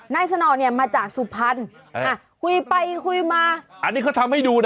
นายสนองนี่มาจากสุภัณฑ์